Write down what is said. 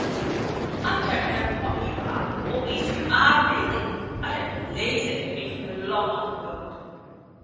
"I don't know what you are, or if you are really. I don't believe that you even belong on the world."